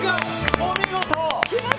お見事！